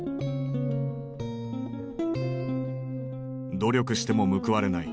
努力しても報われない。